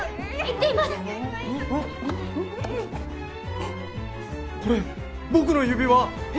あっこれ僕の指輪！え？